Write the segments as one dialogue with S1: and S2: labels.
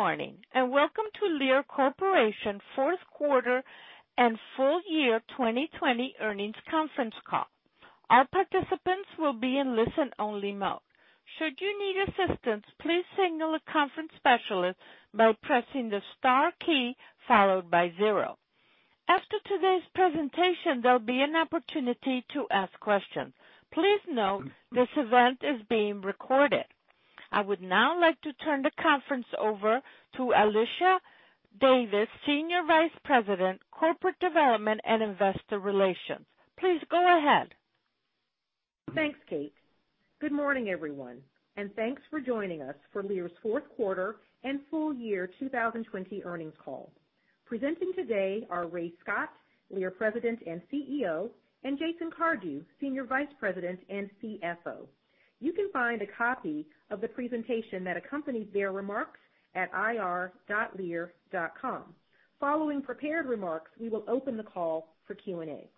S1: Good morning, and welcome to Lear Corporation fourth quarter and full year 2020 earnings conference call. Our participants will be in listen-only mode. Should you need assistance, please signal a conference specialist by pressing the star key followed by zero. After today's presentation, there'll be an opportunity to ask questions. Please note, this event is being recorded. I would now like to turn the conference over to Alicia Davis, Senior Vice President, Corporate Development and Investor Relations. Please go ahead.
S2: Thanks, Kate. Good morning, everyone, thanks for joining us for Lear's fourth quarter and full year 2020 earnings call. Presenting today are Ray Scott, Lear President and CEO, and Jason Cardew, Senior Vice President and CFO. You can find a copy of the presentation that accompanies their remarks at ir.lear.com. Following prepared remarks, we will open the call for Q&A.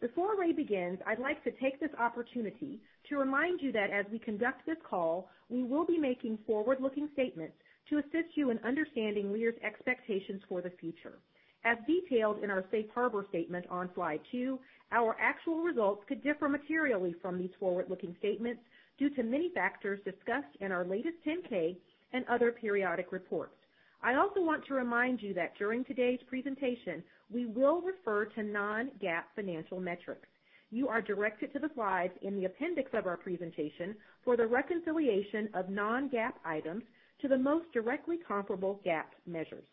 S2: Before Ray begins, I'd like to take this opportunity to remind you that as we conduct this call, we will be making forward-looking statements to assist you in understanding Lear's expectations for the future. As detailed in our safe harbor statement on slide two, our actual results could differ materially from these forward-looking statements due to many factors discussed in our latest 10-K and other periodic reports. I also want to remind you that during today's presentation, we will refer to non-GAAP financial metrics. You are directed to the slides in the appendix of our presentation for the reconciliation of non-GAAP items to the most directly comparable GAAP measures.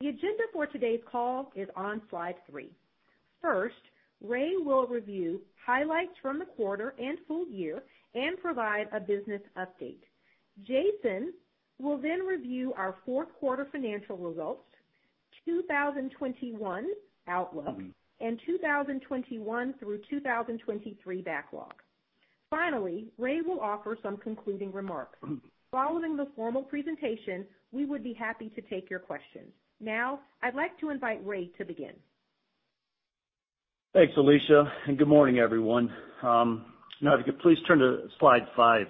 S2: The agenda for today's call is on slide three. First, Ray will review highlights from the quarter and full year and provide a business update. Jason will then review our fourth quarter financial results, 2021 outlook, and 2021 through 2023 backlog. Finally, Ray will offer some concluding remarks. Following the formal presentation, we would be happy to take your questions. I'd like to invite Ray to begin.
S3: Thanks, Alicia. Good morning, everyone. Now, if you could please turn to slide five.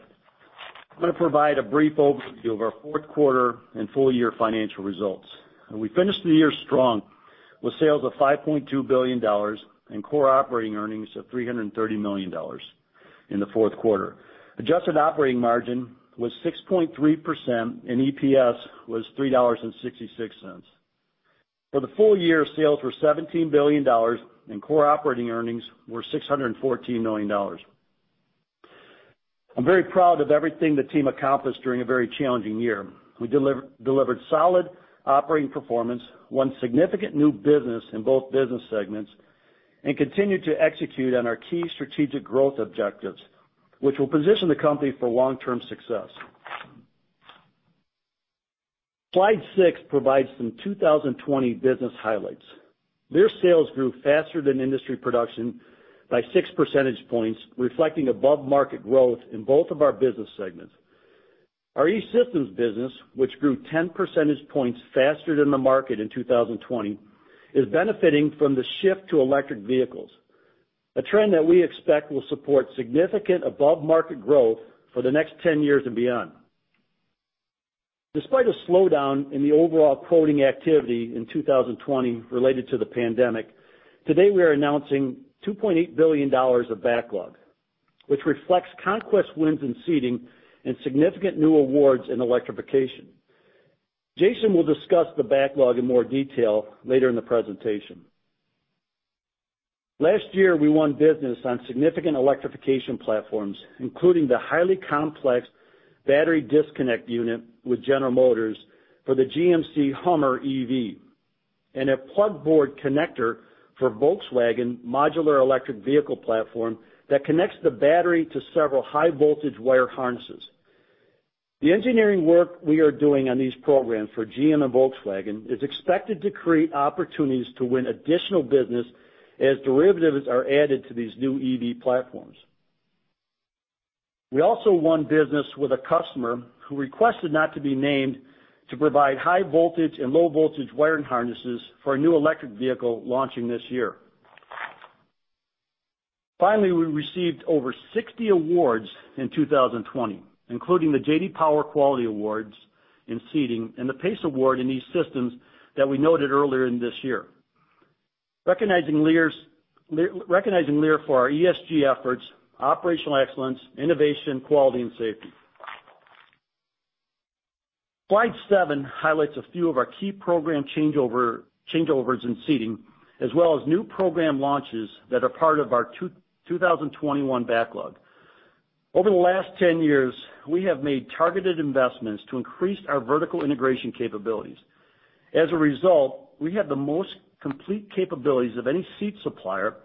S3: I'm going to provide a brief overview of our fourth quarter and full year financial results. We finished the year strong with sales of $5.2 billion and core operating earnings of $330 million in the fourth quarter. Adjusted operating margin was 6.3% and EPS was $3.66. For the full year, sales were $17 billion and core operating earnings were $614 million. I'm very proud of everything the team accomplished during a very challenging year. We delivered solid operating performance, won significant new business in both business segments, and continued to execute on our key strategic growth objectives, which will position the company for long-term success. Slide six provides some 2020 business highlights. Lear's sales grew faster than industry production by 6 percentage points, reflecting above-market growth in both of our business segments. Our E-Systems business, which grew 10 percentage points faster than the market in 2020, is benefiting from the shift to electric vehicles, a trend that we expect will support significant above-market growth for the next 10 years and beyond. Despite a slowdown in the overall quoting activity in 2020 related to the pandemic, today we are announcing $2.8 billion of backlog, which reflects conquest wins in seating and significant new awards in electrification. Jason will discuss the backlog in more detail later in the presentation. Last year, we won business on significant electrification platforms, including the highly complex battery disconnect unit with General Motors for the GMC Hummer EV and a plugboard connector for Volkswagen modular electric vehicle platform that connects the battery to several high-voltage wire harnesses. The engineering work we are doing on these programs for GM and Volkswagen is expected to create opportunities to win additional business as derivatives are added to these new EV platforms. We also won business with a customer who requested not to be named to provide high voltage and low voltage wiring harnesses for a new electric vehicle launching this year. Finally, we received over 60 awards in 2020, including the J.D. Power Quality Awards in Seating and the PACE Award in E-Systems that we noted earlier in this year. Recognizing Lear for our ESG efforts, operational excellence, innovation, quality, and safety. Slide seven highlights a few of our key program changeovers in Seating, as well as new program launches that are part of our 2021 backlog. Over the last 10 years, we have made targeted investments to increase our vertical integration capabilities. As a result, we have the most complete capabilities of any seat supplier,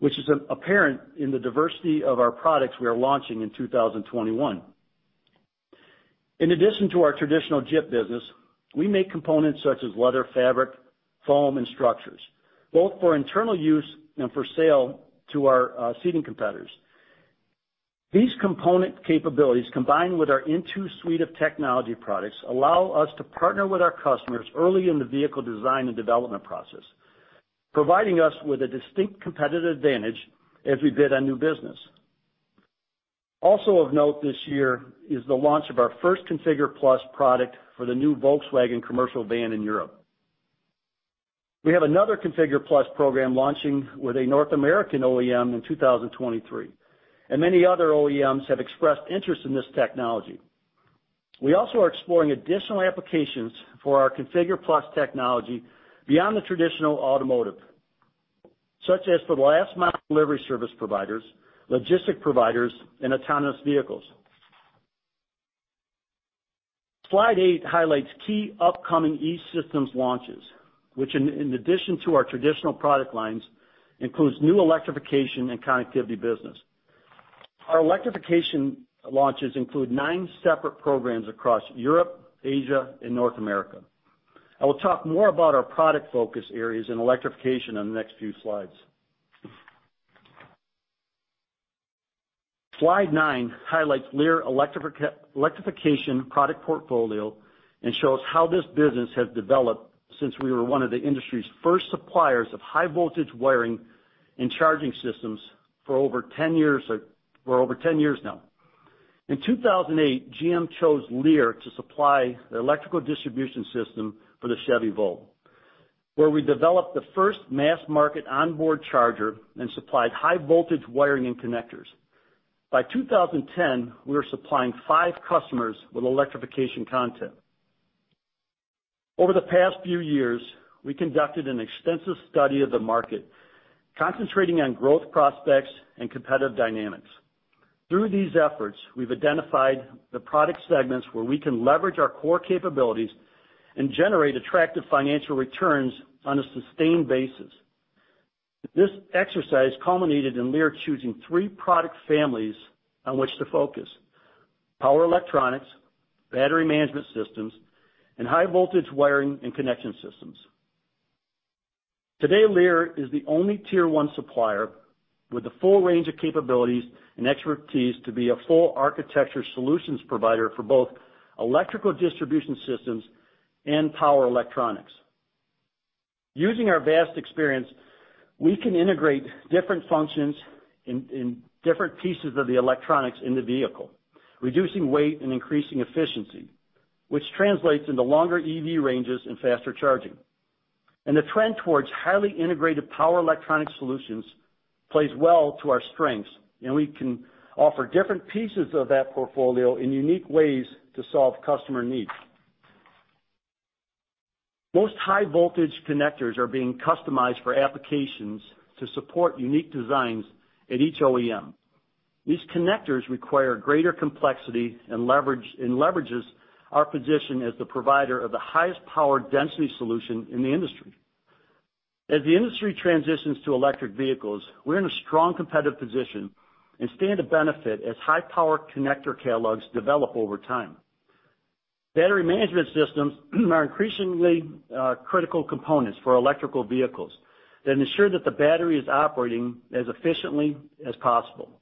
S3: which is apparent in the diversity of our products we are launching in 2021. In addition to our traditional JIT business, we make components such as leather, fabric, foam, and structures, both for internal use and for sale to our seating competitors. These component capabilities, combined with our INTU suite of technology products, allow us to partner with our customers early in the vehicle design and development process, providing us with a distinct competitive advantage as we bid on new business. Also of note this year is the launch of our first ConfigurE+ product for the new Volkswagen commercial van in Europe. We have another ConfigurE+ program launching with a North American OEM in 2023, and many other OEMs have expressed interest in this technology. We also are exploring additional applications for our ConfigurE+ technology beyond the traditional automotive, such as for last mile delivery service providers, logistic providers, and autonomous vehicles. Slide eight highlights key upcoming E-Systems launches, which in addition to our traditional product lines, includes new electrification and connectivity business. Our electrification launches include nine separate programs across Europe, Asia, and North America. I will talk more about our product focus areas in electrification in the next few slides. Slide nine highlights Lear electrification product portfolio and shows how this business has developed since we were one of the industry's first suppliers of high voltage wiring and connection systems for over 10 years now. In 2008, GM chose Lear to supply the electrical distribution system for the Chevy Volt, where we developed the first mass market onboard charger and supplied high voltage wiring and connectors. By 2010, we were supplying five customers with electrification content. Over the past few years, we conducted an extensive study of the market, concentrating on growth prospects and competitive dynamics. Through these efforts, we've identified the product segments where we can leverage our core capabilities and generate attractive financial returns on a sustained basis. This exercise culminated in Lear choosing three product families on which to focus, power electronics, battery management systems, and high voltage wiring and connection systems. Today, Lear is the only Tier 1 supplier with the full range of capabilities and expertise to be a full architecture solutions provider for both electrical distribution systems and power electronics. Using our vast experience, we can integrate different functions in different pieces of the electronics in the vehicle, reducing weight and increasing efficiency, which translates into longer EV ranges and faster charging. The trend towards highly integrated power electronic solutions plays well to our strengths, and we can offer different pieces of that portfolio in unique ways to solve customer needs. Most high voltage connectors are being customized for applications to support unique designs at each OEM. These connectors require greater complexity and leverages our position as the provider of the highest power density solution in the industry. The industry transitions to electric vehicles, we're in a strong competitive position and stand to benefit as high power connector catalogs develop over time. Battery management systems are increasingly critical components for electric vehicles that ensure that the battery is operating as efficiently as possible,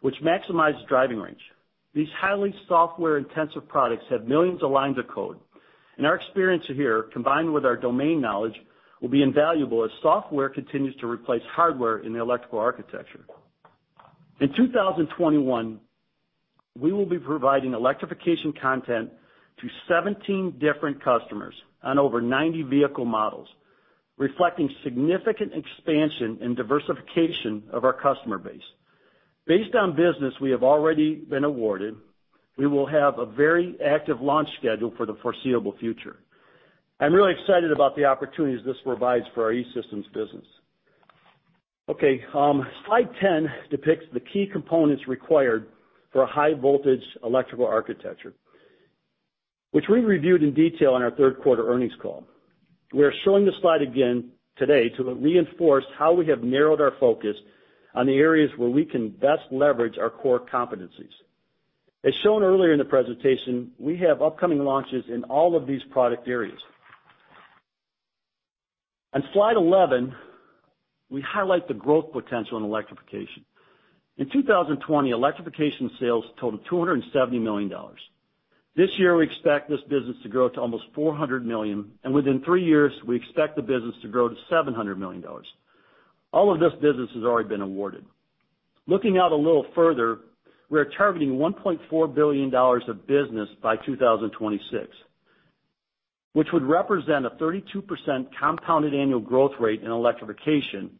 S3: which maximizes driving range. These highly software-intensive products have millions of lines of code, and our experience here, combined with our domain knowledge, will be invaluable as software continues to replace hardware in the electrical architecture. In 2021, we will be providing electrification content to 17 different customers on over 90 vehicle models, reflecting significant expansion and diversification of our customer base. Based on business we have already been awarded, we will have a very active launch schedule for the foreseeable future. I'm really excited about the opportunities this provides for our E-Systems business. Okay, slide 10 depicts the key components required for a high voltage electrical architecture, which we reviewed in detail on our third quarter earnings call. We are showing the slide again today to reinforce how we have narrowed our focus on the areas where we can best leverage our core competencies. As shown earlier in the presentation, we have upcoming launches in all of these product areas. On slide 11, we highlight the growth potential in electrification. In 2020, electrification sales totaled $270 million. This year, we expect this business to grow to almost $400 million, and within three years, we expect the business to grow to $700 million. All of this business has already been awarded. Looking out a little further, we are targeting $1.4 billion of business by 2026, which would represent a 32% compounded annual growth rate in electrification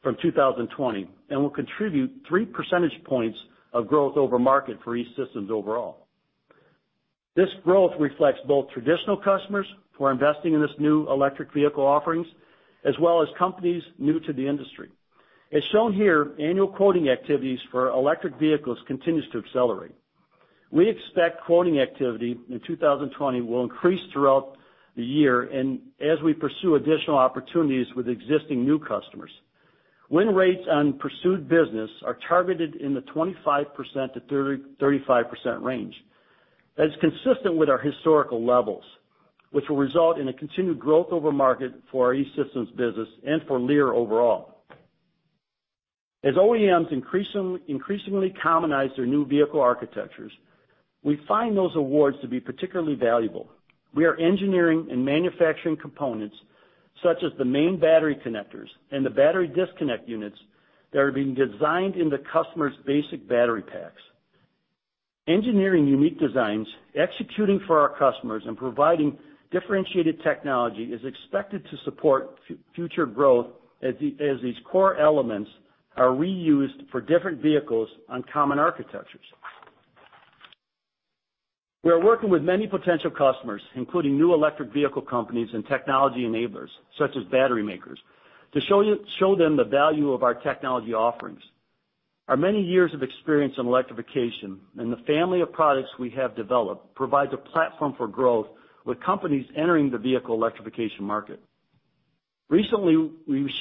S3: from 2020 and will contribute 3 percentage points of growth over market for E-Systems overall. This growth reflects both traditional customers who are investing in this new electric vehicle offerings, as well as companies new to the industry. As shown here, annual quoting activities for electric vehicles continues to accelerate. We expect quoting activity in 2020 will increase throughout the year and as we pursue additional opportunities with existing new customers. Win rates on pursued business are targeted in the 25%-35% range. That's consistent with our historical levels, which will result in a continued growth over market for our E-Systems business and for Lear overall. As OEMs increasingly commonize their new vehicle architectures, we find those awards to be particularly valuable. We are engineering and manufacturing components such as the main battery connectors and the battery disconnect units that are being designed in the customer's basic battery packs. Engineering unique designs, executing for our customers, and providing differentiated technology is expected to support future growth as these core elements are reused for different vehicles on common architectures. We are working with many potential customers, including new electric vehicle companies and technology enablers, such as battery makers, to show them the value of our technology offerings. Our many years of experience in electrification and the family of products we have developed provides a platform for growth with companies entering the vehicle electrification market. Recently, we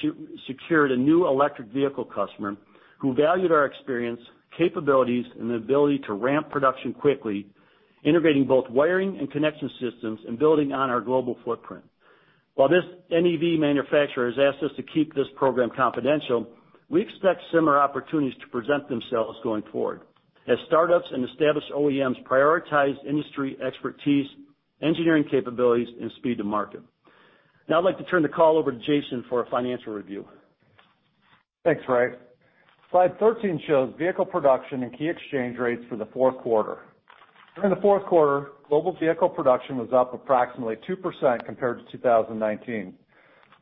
S3: secured a new electric vehicle customer who valued our experience, capabilities, and the ability to ramp production quickly, integrating both wiring and connection systems and building on our global footprint. While this NEV manufacturer has asked us to keep this program confidential, we expect similar opportunities to present themselves going forward as startups and established OEMs prioritize industry expertise, engineering capabilities, and speed to market. Now I'd like to turn the call over to Jason for a financial review.
S4: Thanks, Ray. Slide 13 shows vehicle production and key exchange rates for the fourth quarter. During the fourth quarter, global vehicle production was up approximately 2% compared to 2019.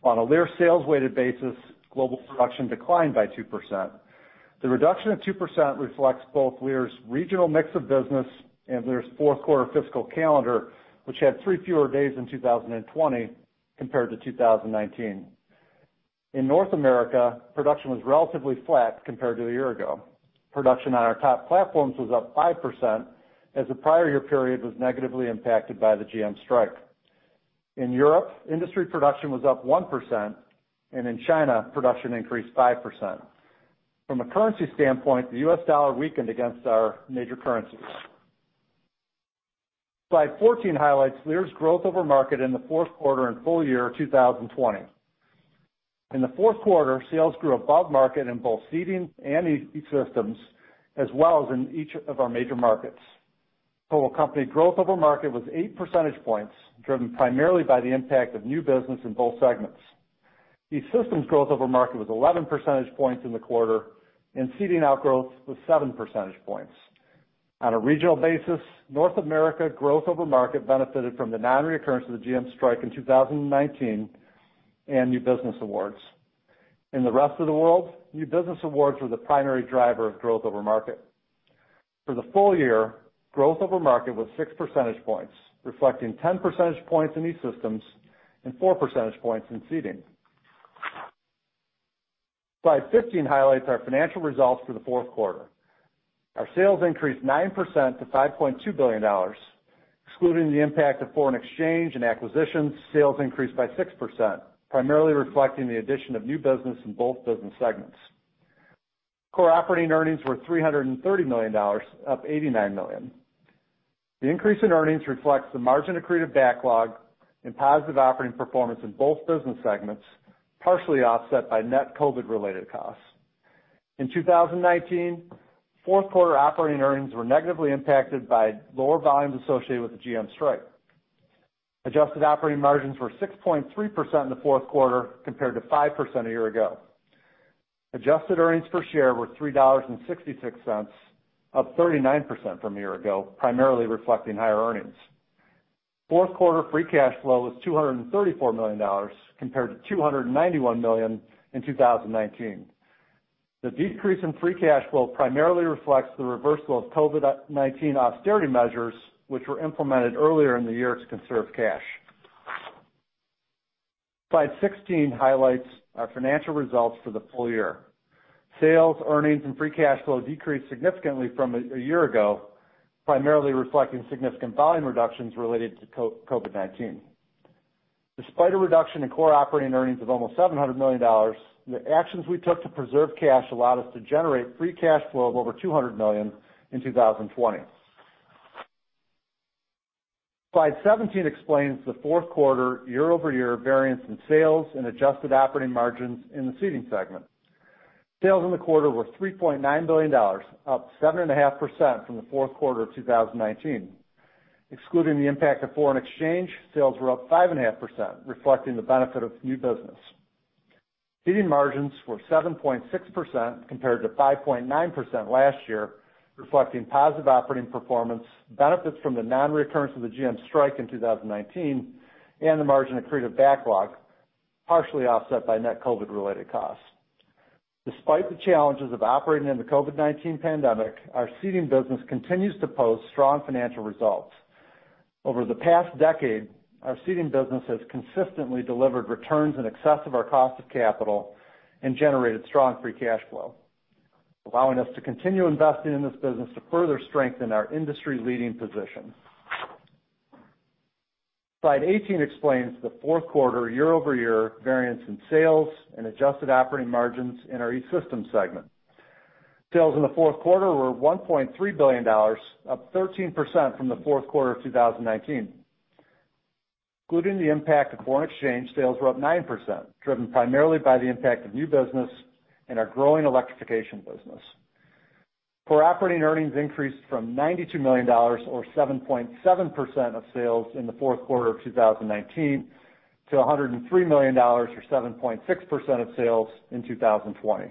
S4: On a Lear sales weighted basis, global production declined by 2%. The reduction of 2% reflects both Lear's regional mix of business and Lear's fourth-quarter fiscal calendar, which had three fewer days in 2020 compared to 2019. In North America, production was relatively flat compared to a year ago. Production on our top platforms was up 5% as the prior year period was negatively impacted by the GM strike. In Europe, industry production was up 1%, and in China, production increased 5%. From a currency standpoint, the US dollar weakened against our major currencies. Slide 14 highlights Lear's growth over market in the fourth quarter and full year 2020. In the fourth quarter, sales grew above market in both Seating and E-Systems, as well as in each of our major markets. Total company growth over market was 8 percentage points, driven primarily by the impact of new business in both segments. E-Systems growth over market was 11 percentage points in the quarter, and Seating outgrowth was 7 percentage points. On a regional basis, North America growth over market benefited from the non-recurrence of the GM strike in 2019 and new business awards. In the rest of the world, new business awards were the primary driver of growth over market. For the full year, growth over market was 6 percentage points, reflecting 10 percentage points in E-Systems and 4 percentage points in Seating. Slide 15 highlights our financial results for the fourth quarter. Our sales increased 9% to $5.2 billion. Excluding the impact of foreign exchange and acquisitions, sales increased by 6%, primarily reflecting the addition of new business in both business segments. Core operating earnings were $330 million, up $89 million. The increase in earnings reflects the margin accretive backlog and positive operating performance in both business segments, partially offset by net COVID-related costs. In 2019, fourth quarter operating earnings were negatively impacted by lower volumes associated with the GM strike. Adjusted operating margins were 6.3% in the fourth quarter compared to 5% a year ago. Adjusted earnings per share were $3.66, up 39% from a year ago, primarily reflecting higher earnings. Fourth-quarter free cash flow was $234 million, compared to $291 million in 2019. The decrease in free cash flow primarily reflects the reversal of COVID-19 austerity measures, which were implemented earlier in the year to conserve cash. Slide 16 highlights our financial results for the full year. Sales, earnings, and free cash flow decreased significantly from a year ago, primarily reflecting significant volume reductions related to COVID-19. Despite a reduction in core operating earnings of almost $700 million, the actions we took to preserve cash allowed us to generate free cash flow of over $200 million in 2020. Slide 17 explains the fourth quarter year-over-year variance in sales and adjusted operating margins in the Seating segment. Sales in the quarter were $3.9 billion, up 7.5% from the fourth quarter of 2019. Excluding the impact of foreign exchange, sales were up 5.5%, reflecting the benefit of new business. Seating margins were 7.6% compared to 5.9% last year, reflecting positive operating performance, benefits from the non-recurrence of the GM strike in 2019, and the margin accretive backlog, partially offset by net COVID-related costs. Despite the challenges of operating in the COVID-19 pandemic, our Seating business continues to post strong financial results. Over the past decade, our Seating business has consistently delivered returns in excess of our cost of capital and generated strong free cash flow, allowing us to continue investing in this business to further strengthen our industry-leading position. Slide 18 explains the fourth quarter year-over-year variance in sales and adjusted operating margins in our E-Systems segment. Sales in the fourth quarter were $1.3 billion, up 13% from the fourth quarter of 2019. Excluding the impact of foreign exchange, sales were up 9%, driven primarily by the impact of new business and our growing electrification business. Core operating earnings increased from $92 million, or 7.7% of sales in the fourth quarter of 2019, to $103 million or 7.6% of sales in 2020.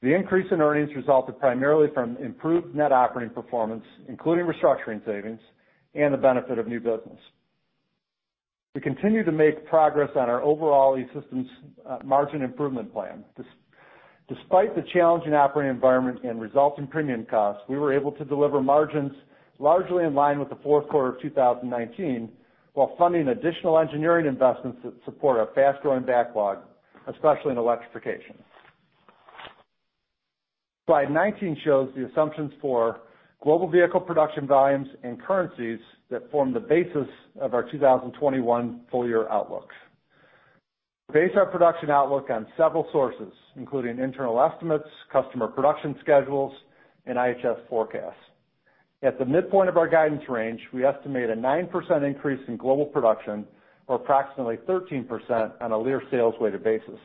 S4: The increase in earnings resulted primarily from improved net operating performance, including restructuring savings and the benefit of new business. We continue to make progress on our overall E-Systems margin improvement plan. Despite the challenging operating environment and resulting premium costs, we were able to deliver margins largely in line with the fourth quarter of 2019, while funding additional engineering investments that support our fast-growing backlog, especially in electrification. Slide 19 shows the assumptions for global vehicle production volumes and currencies that form the basis of our 2021 full-year outlook. We base our production outlook on several sources, including internal estimates, customer production schedules, and IHS forecasts. At the midpoint of our guidance range, we estimate a 9% increase in global production or approximately 13% on a Lear sales weighted basis.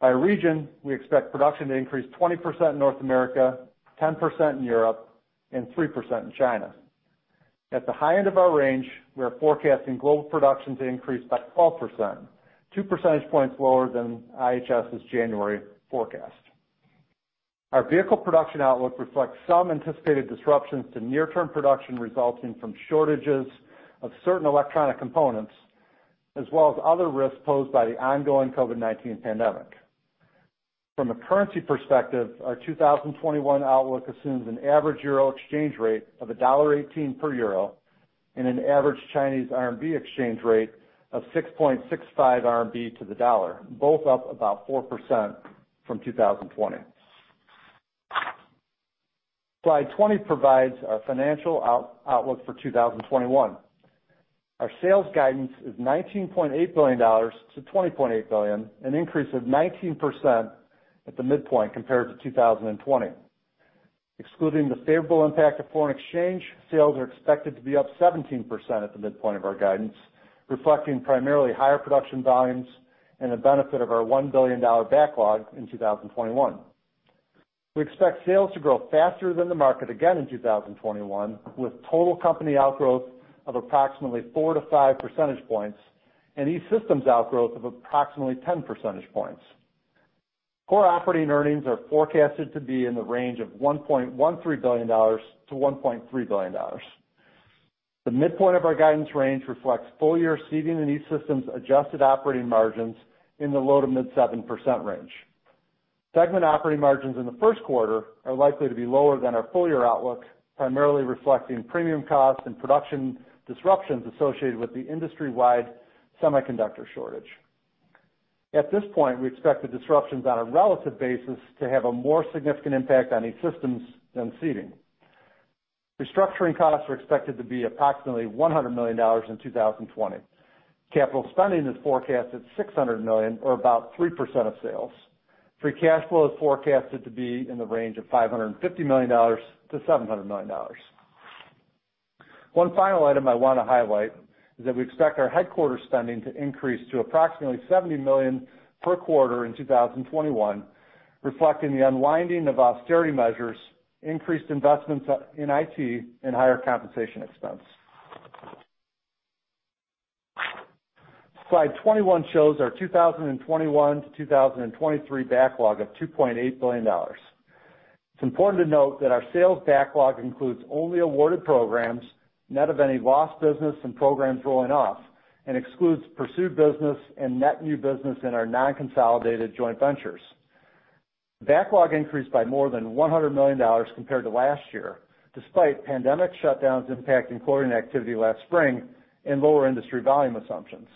S4: By region, we expect production to increase 20% in North America, 10% in Europe, and 3% in China. At the high end of our range, we are forecasting global production to increase by 12%, 2 percentage points lower than IHS's January forecast. Our vehicle production outlook reflects some anticipated disruptions to near-term production resulting from shortages of certain electronic components, as well as other risks posed by the ongoing COVID-19 pandemic. From a currency perspective, our 2021 outlook assumes an average Euro exchange rate of $1.18 per euro and an average Chinese RMB exchange rate of 6.65 RMB to the dollar, both up about 4% from 2020. Slide 20 provides our financial outlook for 2021. Our sales guidance is $19.8 billion-$20.8 billion, an increase of 19% at the midpoint compared to 2020. Excluding the favorable impact of foreign exchange, sales are expected to be up 17% at the midpoint of our guidance, reflecting primarily higher production volumes and the benefit of our $1 billion backlog in 2021. We expect sales to grow faster than the market again in 2021, with total company outgrowth of approximately 4-5 percentage points and E-Systems outgrowth of approximately 10 percentage points. Core operating earnings are forecasted to be in the range of $1.13 billion-$1.3 billion. The midpoint of our guidance range reflects full-year Seating and E-Systems adjusted operating margins in the low to mid 7% range. Segment operating margins in the first quarter are likely to be lower than our full-year outlook, primarily reflecting premium costs and production disruptions associated with the industry-wide semiconductor shortage. At this point, we expect the disruptions on a relative basis to have a more significant impact on E-Systems than Seating. Restructuring costs are expected to be approximately $100 million in 2020. Capital spending is forecast at $600 million or about 3% of sales. Free cash flow is forecasted to be in the range of $550 million-$700 million. One final item I want to highlight is that we expect our headquarters spending to increase to approximately $70 million per quarter in 2021, reflecting the unwinding of austerity measures, increased investments in IT, and higher compensation expense. Slide 21 shows our 2021 to 2023 backlog of $2.8 billion. It's important to note that our sales backlog includes only awarded programs, net of any lost business and programs rolling off, and excludes pursued business and net new business in our non-consolidated joint ventures. Backlog increased by more than $100 million compared to last year, despite pandemic shutdowns impacting quoting activity last spring and lower industry volume assumptions.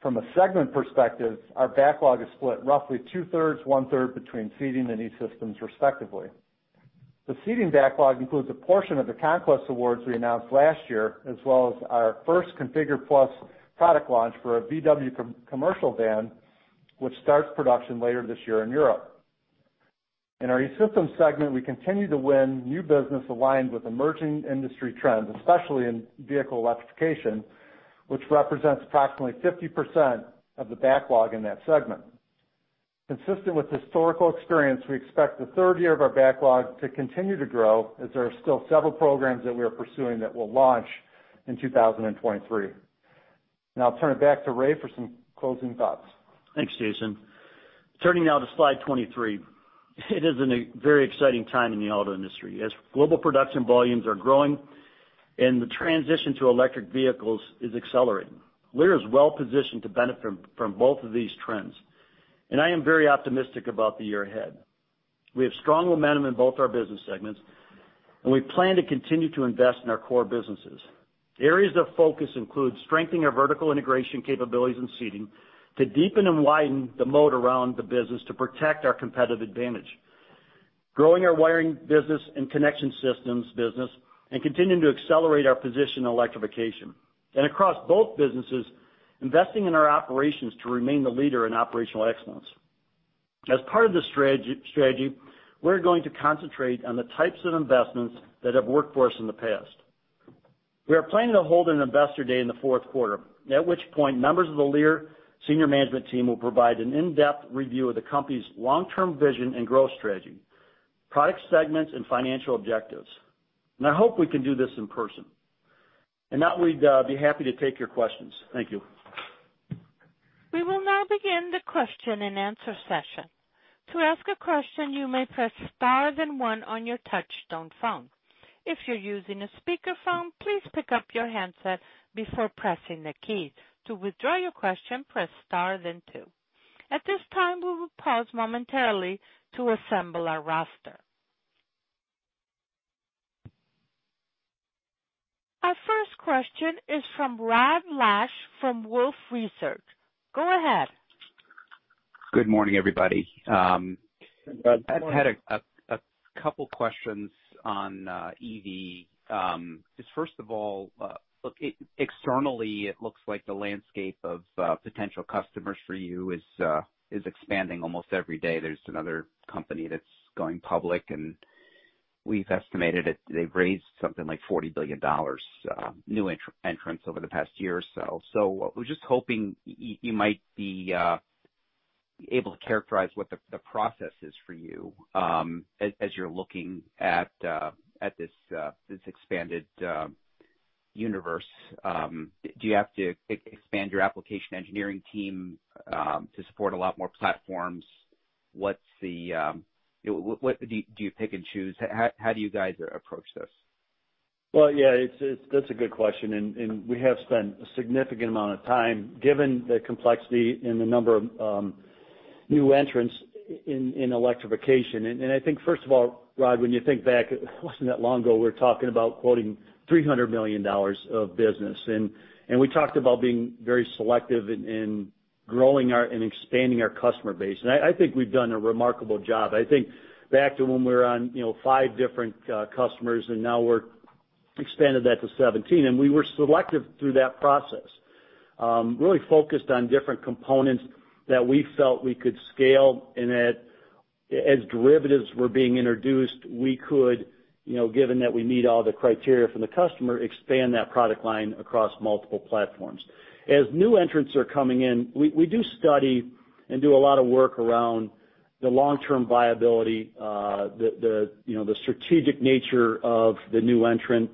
S4: From a segment perspective, our backlog is split roughly 2/3, 1/3 between Seating and E-Systems respectively. The Seating backlog includes a portion of the Conquest awards we announced last year as well as our first ConfigurE+ product launch for a VW commercial van, which starts production later this year in Europe. In our E-Systems segment, we continue to win new business aligned with emerging industry trends, especially in vehicle electrification, which represents approximately 50% of the backlog in that segment. Consistent with historical experience, we expect the third year of our backlog to continue to grow as there are still several programs that we are pursuing that will launch in 2023. Now I'll turn it back to Ray for some closing thoughts.
S3: Thanks, Jason. Turning now to slide 23. It is a very exciting time in the auto industry as global production volumes are growing and the transition to electric vehicles is accelerating. Lear is well-positioned to benefit from both of these trends, and I am very optimistic about the year ahead. We have strong momentum in both our business segments, and we plan to continue to invest in our core businesses. Areas of focus include strengthening our vertical integration capabilities in Seating to deepen and widen the moat around the business to protect our competitive advantage, growing our wiring business and connection systems business, and continuing to accelerate our position in electrification. Across both businesses, investing in our operations to remain the leader in operational excellence. As part of this strategy, we're going to concentrate on the types of investments that have worked for us in the past. We are planning to hold an investor day in the fourth quarter, at which point members of the Lear senior management team will provide an in-depth review of the company's long-term vision and growth strategy, product segments, and financial objectives. I hope we can do this in person. Now we'd be happy to take your questions. Thank you.
S1: We will now begin the question and answer session. To ask a question, you may press star then one on your touchtone phone. If you're using a speakerphone, please pick up your handset before pressing the keys. To withdraw your question, press star then two. At this time, we will pause momentarily to assemble our roster. Our first question is from Rod Lache from Wolfe Research. Go ahead.
S5: Good morning, everybody.
S3: Good morning.
S5: I had a couple questions on EV. Just first of all, look, externally, it looks like the landscape of potential customers for you is expanding almost every day. There's another company that's going public, and we've estimated they've raised something like $40 billion new entrants over the past year or so. I was just hoping you might be able to characterize what the process is for you as you're looking at this expanded universe. Do you have to expand your application engineering team to support a lot more platforms? Do you pick and choose? How do you guys approach this?
S3: Well, yeah, that's a good question. We have spent a significant amount of time given the complexity and the number of new entrants in electrification. I think, first of all, Rod, when you think back, it wasn't that long ago we were talking about quoting $300 million of business. We talked about being very selective in growing and expanding our customer base. I think we've done a remarkable job. I think back to when we were on five different customers, and now we've expanded that to 17. We were selective through that process. Really focused on different components that we felt we could scale and that as derivatives were being introduced, we could, given that we meet all the criteria from the customer, expand that product line across multiple platforms. As new entrants are coming in, we do study and do a lot of work around the long-term viability, the strategic nature of the new entrants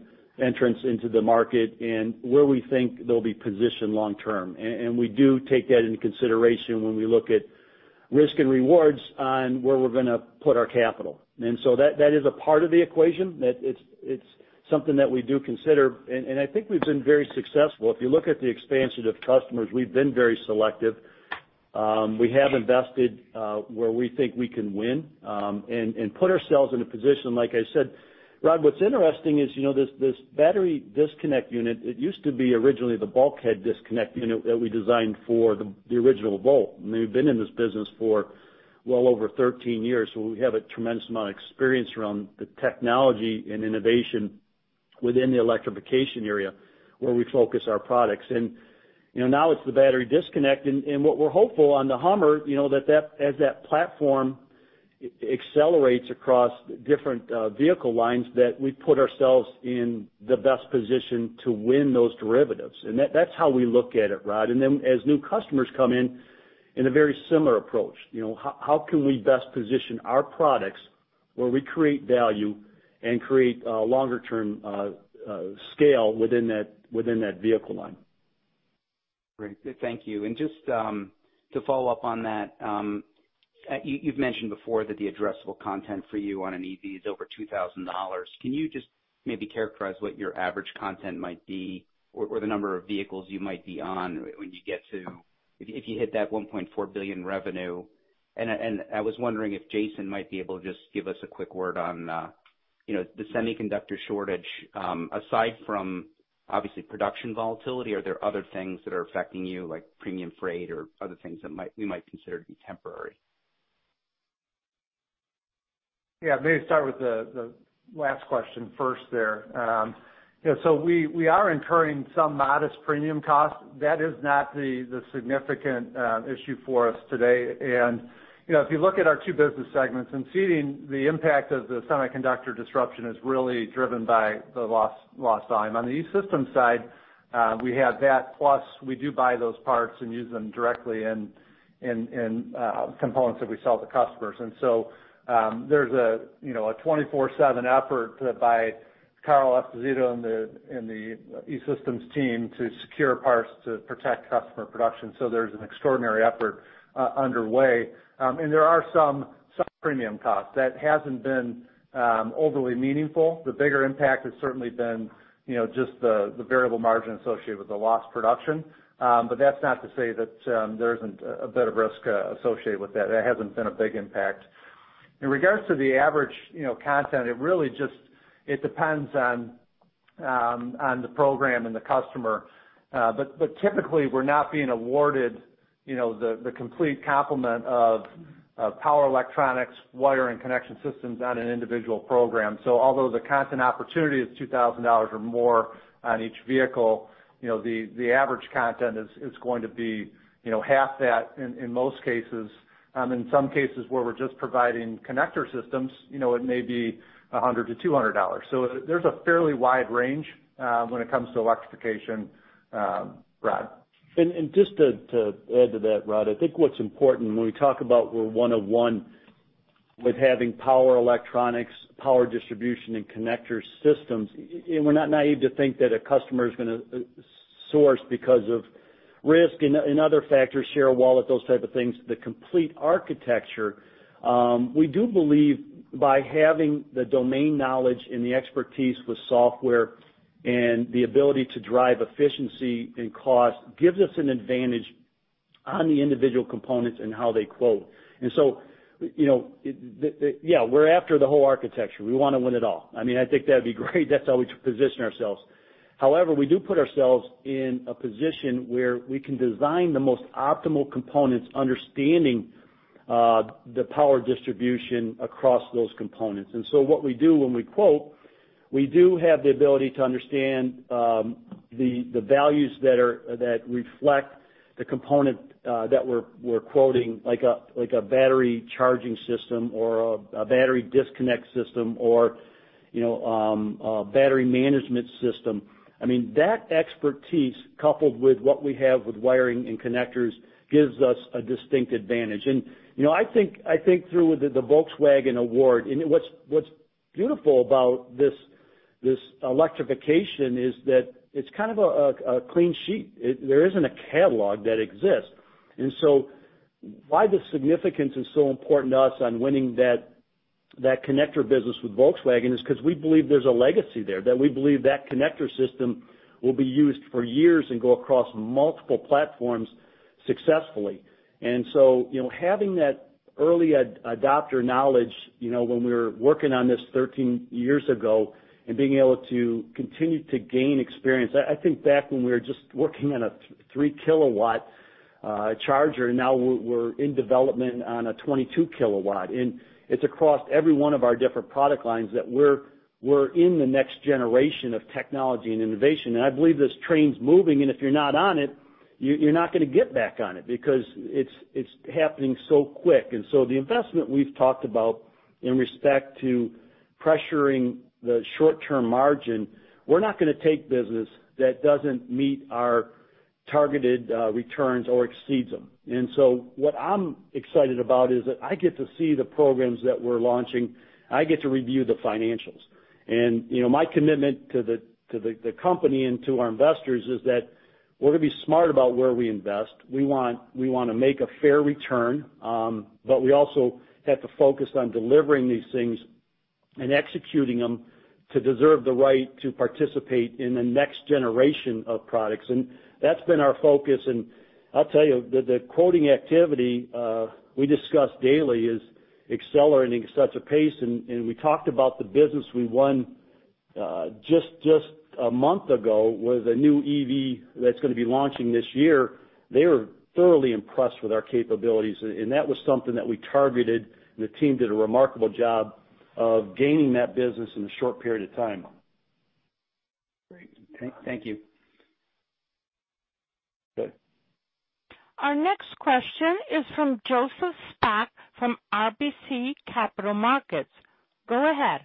S3: into the market and where we think they'll be positioned long term. We do take that into consideration when we look at risk and rewards on where we're going to put our capital. That is a part of the equation. It's something that we do consider, and I think we've been very successful. If you look at the expansion of customers, we've been very selective. We have invested where we think we can win and put ourselves in a position, like I said. Rod, what's interesting is this battery disconnect unit, it used to be originally the bulkhead disconnect unit that we designed for the original Volt. We've been in this business for well over 13 years, so we have a tremendous amount of experience around the technology and innovation within the electrification area where we focus our products. Now it's the battery disconnect. What we're hopeful on the Hummer, as that platform accelerates across different vehicle lines, that we put ourselves in the best position to win those derivatives. That's how we look at it, Rod. As new customers come in a very similar approach. How can we best position our products where we create value and create longer-term scale within that vehicle line?
S5: Great. Thank you. Just to follow up on that, you've mentioned before that the addressable content for you on an EV is over $2,000. Can you just maybe characterize what your average content might be or the number of vehicles you might be on when you get to— If you hit that $1.4 billion revenue? I was wondering if Jason might be able to just give us a quick word on the semiconductor shortage. Aside from, obviously, production volatility, are there other things that are affecting you, like premium freight or other things that we might consider to be temporary?
S4: Yeah, maybe start with the last question first there. We are incurring some modest premium costs. That is not the significant issue for us today. If you look at our two business segments, in Seating, the impact of the semiconductor disruption is really driven by the lost volume. On the E-Systems side, we have that plus we do buy those parts and use them directly in components that we sell to customers. There's a 24/7 effort by Carl Esposito and the E-Systems team to secure parts to protect customer production. There's an extraordinary effort underway. There are some premium costs. That hasn't been overly meaningful. The bigger impact has certainly been just the variable margin associated with the lost production. That's not to say that there isn't a bit of risk associated with that. That hasn't been a big impact. In regards to the average content, it depends on the program and the customer. Typically, we're not being awarded the complete complement of power electronics, wiring connection systems on an individual program. Although the content opportunity is $2,000 or more on each vehicle, the average content is going to be half that in most cases. In some cases where we're just providing connector systems, it may be $100-$200. There's a fairly wide range when it comes to electrification, Rod.
S3: Just to add to that, Rod, I think what's important when we talk about we're one of one with having power electronics, power distribution, and connector systems, we're not naive to think that a customer is going to source because of risk and other factors, share of wallet, those type of things, the complete architecture. We do believe by having the domain knowledge and the expertise with software, and the ability to drive efficiency and cost gives us an advantage on the individual components and how they quote. Yeah, we're after the whole architecture. We want to win it all. I think that'd be great. That's how we position ourselves. However, we do put ourselves in a position where we can design the most optimal components, understanding the power distribution across those components. What we do when we quote, we do have the ability to understand the values that reflect the component that we're quoting, like a battery charging system or a battery disconnect unit or a battery management systems. That expertise, coupled with what we have with wiring and connectors, gives us a distinct advantage. I think through the Volkswagen award, and what's beautiful about this electrification is that it's kind of a clean sheet. There isn't a catalog that exists. Why the significance is so important to us on winning that connector business with Volkswagen is because we believe there's a legacy there, that we believe that connector system will be used for years and go across multiple platforms successfully, having that early adopter knowledge, when we were working on this 13 years ago and being able to continue to gain experience. I think back when we were just working on a 3 kW charger, now we're in development on a 22 kW. It's across every one of our different product lines that we're in the next generation of technology and innovation. I believe this train's moving, and if you're not on it, you're not going to get back on it because it's happening so quick. The investment we've talked about in respect to pressuring the short-term margin, we're not going to take business that doesn't meet our targeted returns or exceeds them. What I'm excited about is that I get to see the programs that we're launching. I get to review the financials. My commitment to the company and to our investors is that we're going to be smart about where we invest. We want to make a fair return, but we also have to focus on delivering these things and executing them to deserve the right to participate in the next generation of products. That's been our focus. I'll tell you, the quoting activity we discuss daily is accelerating at such a pace, and we talked about the business we won just a month ago with a new EV that's going to be launching this year. They were thoroughly impressed with our capabilities, and that was something that we targeted, and the team did a remarkable job of gaining that business in a short period of time.
S5: Great. Thank you.
S3: Okay.
S1: Our next question is from Joseph Spak from RBC Capital Markets. Go ahead.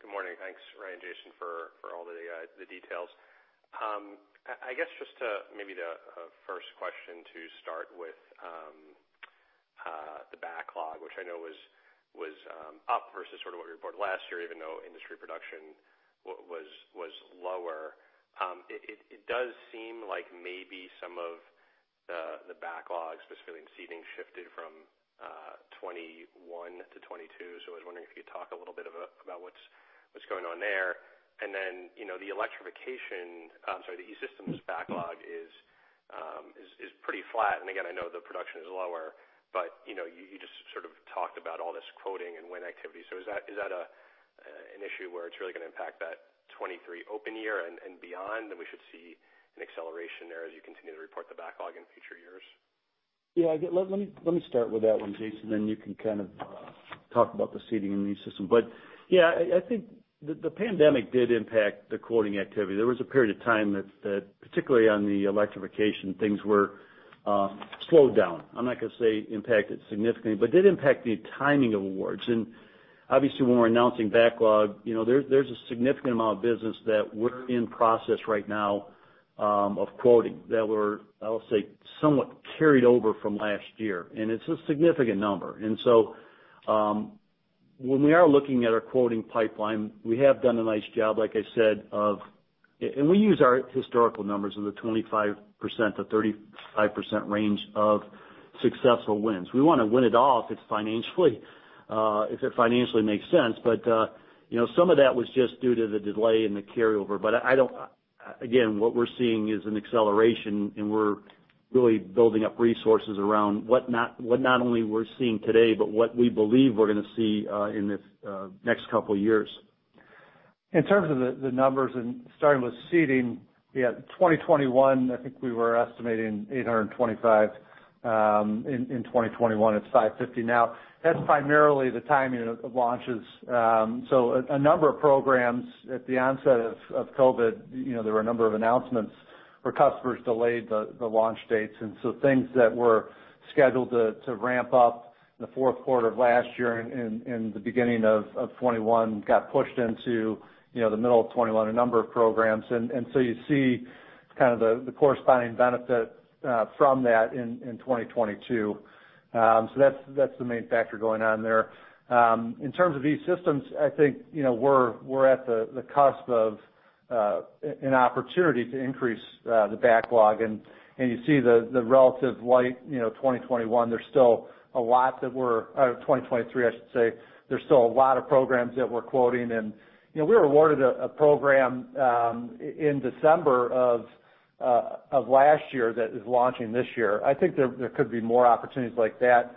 S6: Good morning. Thanks, Ray, Jason, for all the details. I guess the first question to start with, the backlog, which I know was up versus sort of what we reported last year, even though industry production was lower. It does seem like maybe some of the backlog, specifically in seating, shifted from 2021 to 2022. I was wondering if you could talk a little bit about what's going on there. The E-Systems backlog is pretty flat. Again, I know the production is lower, you just sort of talked about all this quoting and win activity. Is that an issue where it's really going to impact that 2023 open year and beyond, we should see an acceleration there as you continue to report the backlog in future years?
S3: Yeah. Let me start with that one, Jason, then you can kind of talk about the seating and the E-Systems. I think the pandemic did impact the quoting activity. There was a period of time that, particularly on the electrification, things were slowed down. I'm not going to say impacted significantly, but did impact the timing of awards. Obviously when we're announcing backlog, there's a significant amount of business that we're in process right now of quoting that were, I'll say, somewhat carried over from last year. It's a significant number. When we are looking at our quoting pipeline, we have done a nice job, like I said. We use our historical numbers in the 25%-35% range of successful wins. We want to win it all if it financially makes sense. Some of that was just due to the delay and the carryover. Again, what we're seeing is an acceleration, and we're really building up resources around what not only we're seeing today, but what we believe we're going to see in the next couple of years.
S4: In terms of the numbers, starting with seating, yeah, 2021, I think we were estimating $825. In 2021, it's $550 now. That's primarily the timing of launches. A number of programs at the onset of COVID, there were a number of announcements where customers delayed the launch dates. Things that were scheduled to ramp up in the fourth quarter of last year and the beginning of 2021 got pushed into the middle of 2021, a number of programs. You see the corresponding benefit from that in 2022. That's the main factor going on there. In terms of E-Systems, I think, we're at the cusp of an opportunity to increase the backlog and you see the relative light, 2021, or 2023, I should say, there's still a lot of programs that we're quoting and we were awarded a program in December of last year that is launching this year. I think there could be more opportunities like that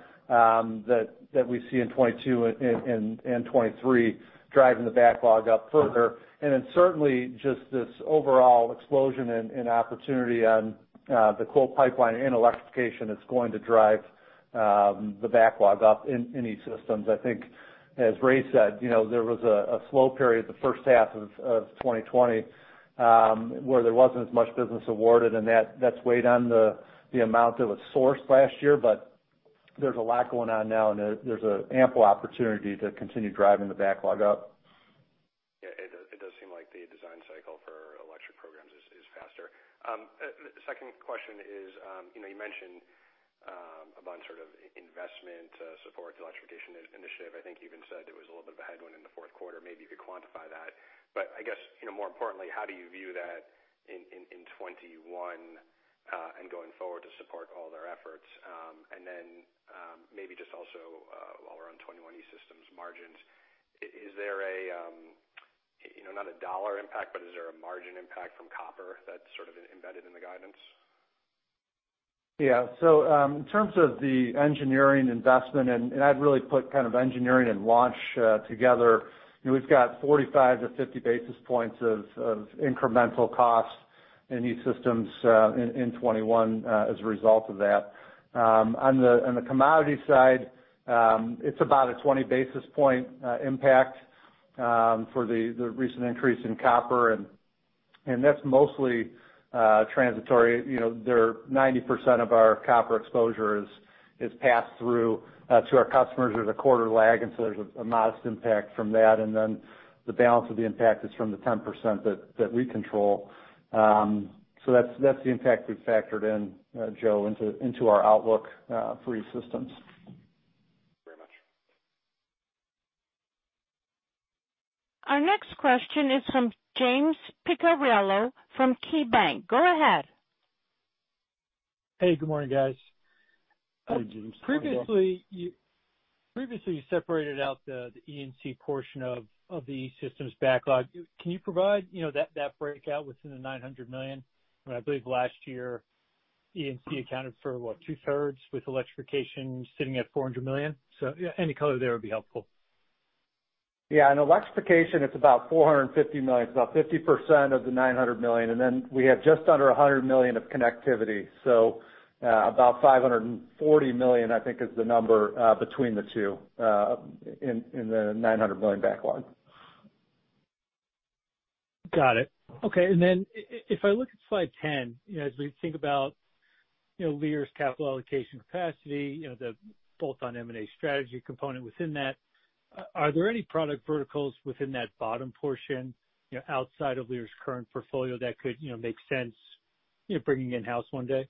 S4: we see in 2022 and 2023 driving the backlog up further. Certainly just this overall explosion in opportunity on the call pipeline and electrification is going to drive the backlog up in E-Systems. I think as Ray said, there was a slow period the first half of 2020, where there wasn't as much business awarded and that's weighed on the amount that was sourced last year. There's a lot going on now and there's an ample opportunity to continue driving the backlog up.
S6: Yeah, it does seem like the design cycle for electric programs is faster. The second question is, you mentioned about sort of investment to support the electrification initiative. I think you even said it was a little bit of a headwind in the fourth quarter, maybe you could quantify that. I guess, more importantly, how do you view that in 2021, and going forward to support all their efforts? Maybe just also, while we're on 2020 E-Systems margins, is there a, not a dollar impact, but is there a margin impact from copper that's sort of embedded in the guidance?
S4: Yeah. In terms of the engineering investment, and I'd really put kind of engineering and launch together, we've got 45-50 basis points of incremental costs in E-Systems in 2021 as a result of that. On the commodity side, it's about a 20 basis point impact for the recent increase in copper and that's mostly transitory. 90% of our copper exposure is passed through to our customers. There's a quarter lag, there's a modest impact from that, the balance of the impact is from the 10% that we control. That's the impact we've factored in, Joe, into our outlook for E-Systems.
S6: Thank you very much.
S1: Our next question is from James Picariello from KeyBanc Capital Markets. Go ahead.
S7: Hey, good morning guys.
S3: Hey, James. How's it going?
S7: Previously, you separated out the E&C portion of the E-Systems backlog. Can you provide that breakout within the $900 million? I believe last year E&C accounted for what? Two-thirds with electrification sitting at $400 million? Any color there would be helpful.
S4: Yeah. In electrification, it's about $450 million, it's about 50% of the $900 million, and then we have just under $100 million of connectivity. So, about $540 million, I think is the number between the two in the $900 million backlog.
S7: Got it. Okay. If I look at slide 10, as we think about Lear's capital allocation capacity, the bolt-on M&A strategy component within that, are there any product verticals within that bottom portion, outside of Lear's current portfolio that could make sense bringing in-house one day?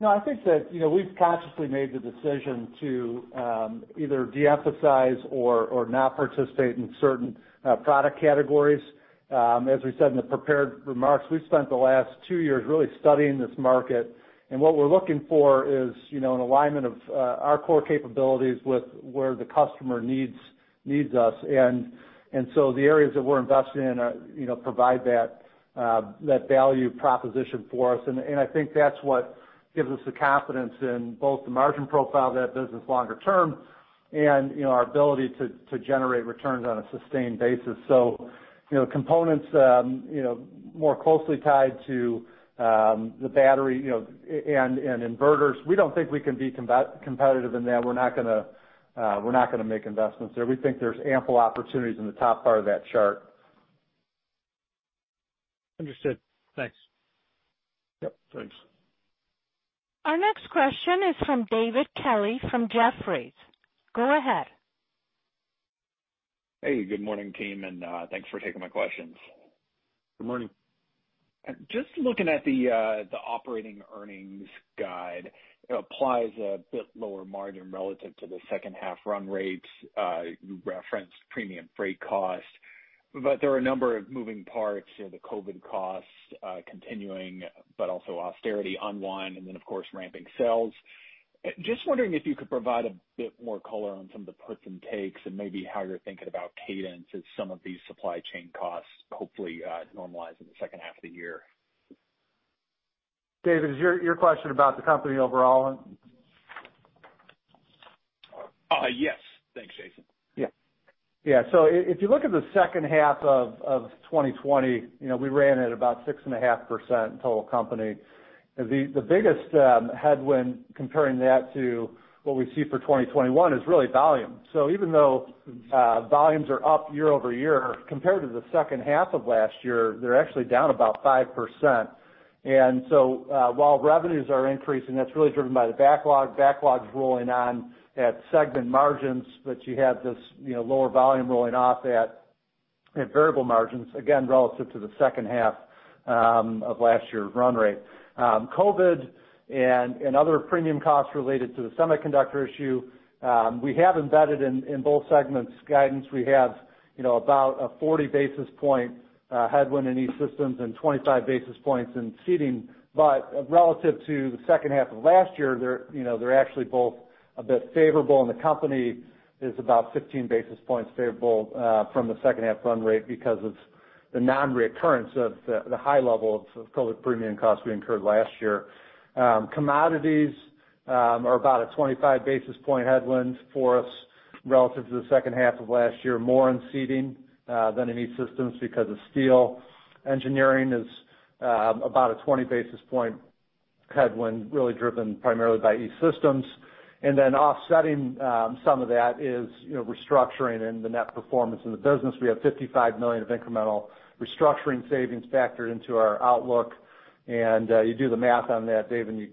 S4: No, I think that we've consciously made the decision to either de-emphasize or not participate in certain product categories. As we said in the prepared remarks, we've spent the last two years really studying this market, and what we're looking for is an alignment of our core capabilities with where the customer needs us. The areas that we're investing in provide that value proposition for us, and I think that's what gives us the confidence in both the margin profile of that business longer term and our ability to generate returns on a sustained basis. Components more closely tied to the battery and inverters, we don't think we can be competitive in that. We're not going to make investments there. We think there's ample opportunities in the top part of that chart.
S7: Understood. Thanks.
S4: Yep. Thanks.
S1: Our next question is from David Kelley from Jefferies. Go ahead.
S8: Hey, good morning team, thanks for taking my questions.
S3: Good morning.
S8: Just looking at the operating earnings guide applies a bit lower margin relative to the second half run rates. You referenced premium freight cost. There are a number of moving parts, the COVID costs continuing, but also austerity unwind, and then of course, ramping sales. Just wondering if you could provide a bit more color on some of the puts and takes and maybe how you're thinking about cadence as some of these supply chain costs hopefully normalize in the second half of the year.
S4: David, is your question about the company overall?
S8: Yes. Thanks, Jason.
S4: If you look at the second half of 2020, we ran at about 6.5% total company. The biggest headwind comparing that to what we see for 2021 is really volume. Even though volumes are up year-over-year, compared to the second half of last year, they're actually down about 5%. While revenues are increasing, that's really driven by the backlog. Backlog's rolling on at segment margins, you have this lower volume rolling off at variable margins, again, relative to the second half of last year's run rate. COVID and other premium costs related to the semiconductor issue, we have embedded in both segments guidance. We have about a 40 basis point headwind in E-Systems and 25 basis points in seating. Relative to the second half of last year, they're actually both a bit favorable, and the company is about 15 basis points favorable from the second half run rate because of the non-recurrence of the high level of COVID premium costs we incurred last year. Commodities are about a 25 basis point headwind for us relative to the second half of last year, more in Seating than in E-Systems because of steel. Engineering is about a 20 basis point headwind, really driven primarily by E-Systems. Offsetting some of that is restructuring and the net performance in the business. We have $55 million of incremental restructuring savings factored into our outlook. You do the math on that, Dave, and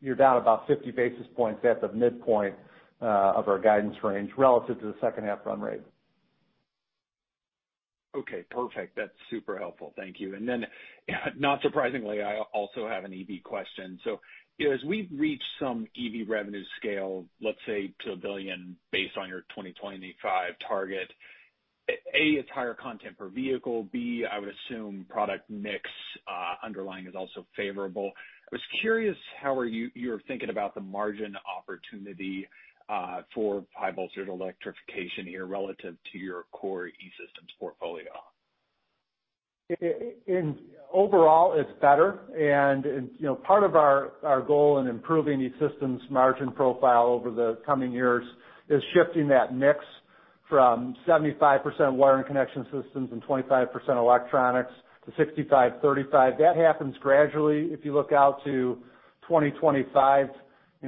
S4: you're down about 50 basis points at the midpoint of our guidance range relative to the second half run rate.
S8: Okay, perfect. That's super helpful. Thank you. Not surprisingly, I also have an EV question. As we reach some EV revenue scale, let's say to $1 billion based on your 2025 target, A, it's higher content per vehicle. B, I would assume product mix underlying is also favorable. I was curious how you're thinking about the margin opportunity for high-voltage electrification here relative to your core E-Systems portfolio.
S4: Overall, it's better. Part of our goal in improving E-Systems' margin profile over the coming years is shifting that mix from 75% wiring connection systems and 25% electronics to 65/35. That happens gradually. If you look out to 2025,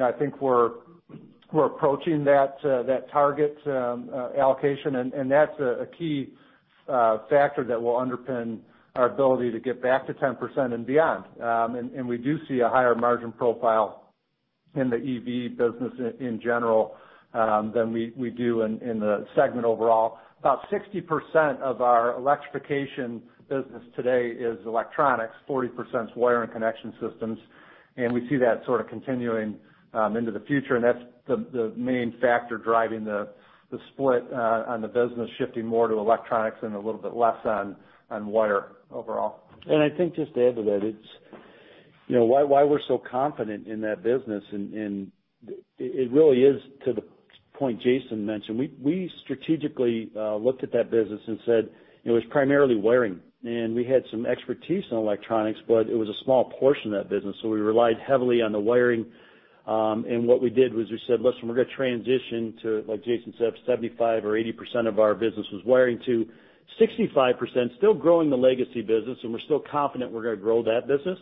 S4: I think we're approaching that target allocation, that's a key factor that will underpin our ability to get back to 10% and beyond. We do see a higher margin profile in the EV business in general than we do in the segment overall. About 60% of our electrification business today is electronics, 40% is wiring connection systems. We see that sort of continuing into the future, that's the main factor driving the split on the business shifting more to electronics and a little bit less on wiring overall.
S3: I think just to add to that, why we're so confident in that business, and it really is to the point Jason mentioned. We strategically looked at that business and said it was primarily wiring, and we had some expertise in electronics, but it was a small portion of that business, so we relied heavily on the wiring. What we did was we said, "Listen, we're going to transition to," like Jason said, "75% or 80% of our business was wiring to 65%," still growing the legacy business, and we're still confident we're going to grow that business,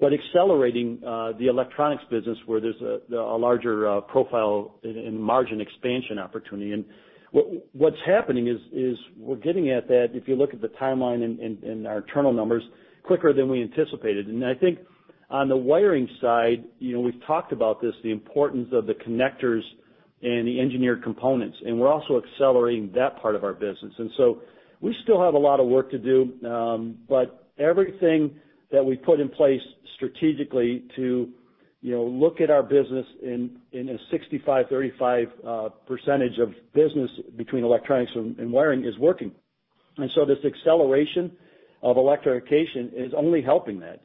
S3: but accelerating the electronics business where there's a larger profile and margin expansion opportunity. What's happening is we're getting at that, if you look at the timeline and our internal numbers, quicker than we anticipated. I think on the wiring side, we've talked about this, the importance of the connectors and the engineered components, we're also accelerating that part of our business. We still have a lot of work to do. Everything that we put in place strategically to look at our business in a 65/35 percentage of business between electronics and wiring is working. This acceleration of electrification is only helping that.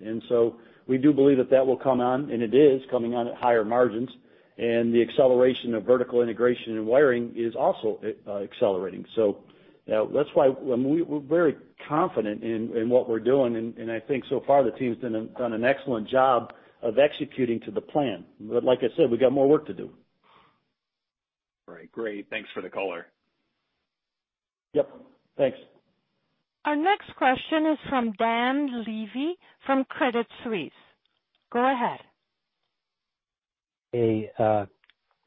S3: We do believe that that will come on, and it is coming on at higher margins, and the acceleration of vertical integration and wiring is also accelerating. That's why we're very confident in what we're doing, and I think so far the team's done an excellent job of executing to the plan. Like I said, we've got more work to do.
S8: Right. Great. Thanks for the color.
S3: Yep. Thanks.
S1: Our next question is from Dan Levy from Credit Suisse. Go ahead.
S9: Hey,